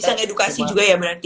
bisa ngedukasi juga ya berarti